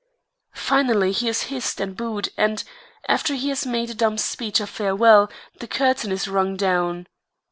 Finally, he is hissed and booed and, after he has made a dumb speech of farewell, the curtain is rung down.